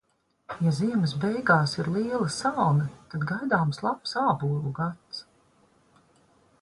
Ja ziemas beigās ir liela salna, tad gaidāms labs ābolu gads.